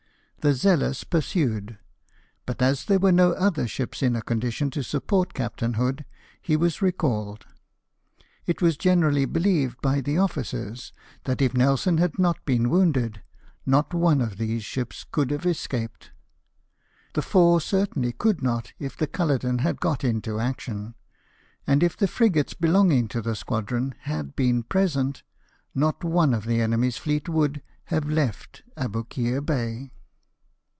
The Zealous pursued ; but as there was no other ship in a condition to support Captain Hood, he was recalled. It was generally believed by the officers that if Nelson had not been wounded, not one of these ships could have escaped ; the four certainly could not if the Culloden had got into action; and if the frigates belonging to the squadron had been present, not one of the enemy's fleet would have left Aboukir Bay.